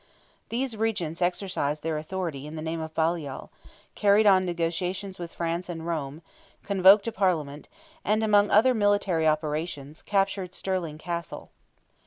These regents exercised their authority in the name of Baliol, carried on negotiations with France and Rome, convoked a Parliament, and, among other military operations, captured Stirling Castle.